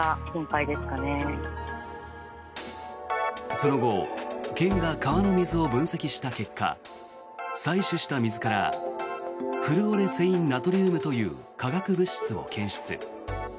その後県が川の水を分析した結果採取した成分からフルオレセインナトリウムという化学物質を検出。